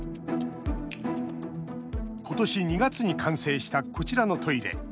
今年２月に完成したこちらのトイレ。